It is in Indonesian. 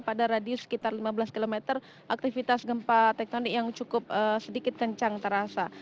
pada radius sekitar lima belas km aktivitas gempa tektonik yang cukup sedikit kencang terasa